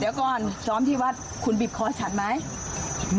เดี๋ยวก่อนซ้อมที่วัดคุณบีบคอฉันไหม